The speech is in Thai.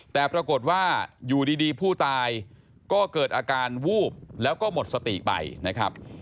แต่ปรากฏว่าอยู่ดีผู้ตายก็เกิดอาการวูบแล้วก็หมดสติไปนะครับ